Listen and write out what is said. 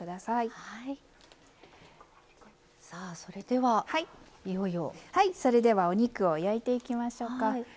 はいそれではお肉を焼いていきましょうか。